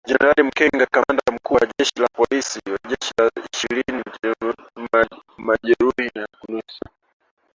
Jenerali Makenga, kamanda mkuu wa Waasi wa Machi ishirini na tatu amerudi Jamuhuri ya kidemokrasia ya Kongo kuongoza mashambulizi